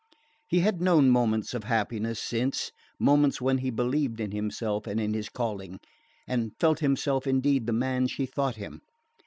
He had known moments of happiness since; moments when he believed in himself and in his calling, and felt himself indeed the man she thought him.